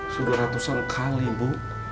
sudah ratusan kali bu